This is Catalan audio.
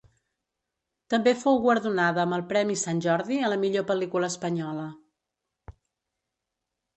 També fou guardonada amb el Premi Sant Jordi a la millor pel·lícula espanyola.